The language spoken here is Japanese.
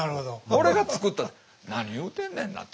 俺が作ったって何言うてんねんなって。